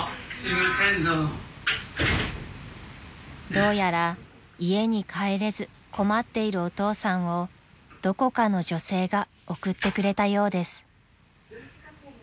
［どうやら家に帰れず困っているお父さんをどこかの女性が送ってくれたようです］